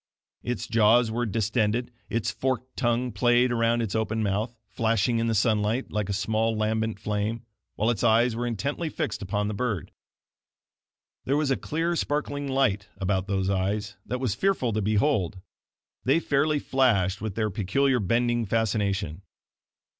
Its jaws were distended, its forked tongue played around its open mouth, flashing in the sunlight like a small lambent flame, while its eyes were intently fixed upon the bird. There was a clear, sparkling light about those eyes that was fearful to behold they fairly flashed with their peculiar bending fascination.